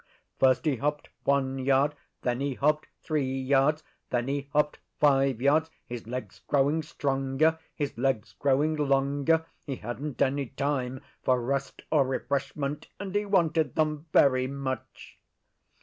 First he hopped one yard; then he hopped three yards; then he hopped five yards; his legs growing stronger; his legs growing longer. He hadn't any time for rest or refreshment, and he wanted them very much.